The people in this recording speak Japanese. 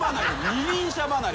二輪車離れ。